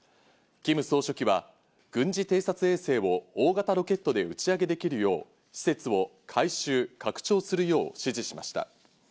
キム総書記は軍事偵察衛星を大型ロケットで打ち上げできるよう施設を改修、拡張するよう指示しました。